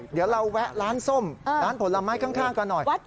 เดี๋ยวเราแวะร้านส้มร้านผลไม้ข้างกันหน่อย